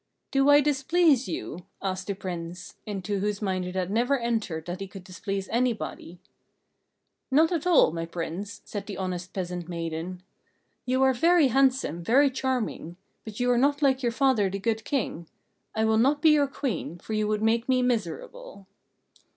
"Do I displease you?" asked the Prince, into whose mind it had never entered that he could displease anybody. "Not at all, my Prince," said the honest peasant maiden. "You are very handsome, very charming; but you are not like your father the Good King. I will not be your Queen, for you would make me miserable."